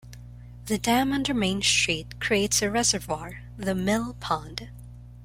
The dam, under Main Street, creates a reservoir, the Mill Pond.